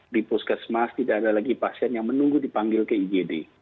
di puskesmas tidak ada lagi pasien yang menunggu dipanggil ke igd